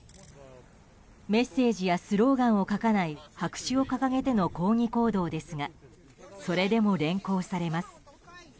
メッセージやスローガンを書かない、白紙を掲げての抗議行動ですがそれでも連行されます。